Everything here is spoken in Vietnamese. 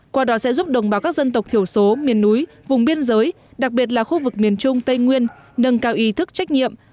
qua đó sẽ giúp đồng bào các dân tộc thiểu số miền núi vùng biên giới đặc biệt là khu vực miền trung tây nguyên nâng cao ý thức trách nhiệm